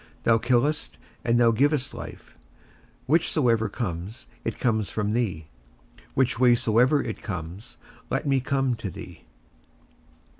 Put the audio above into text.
Thou killest and thou givest life: whichsoever comes, it comes from thee; which way soever it comes, let me come to thee.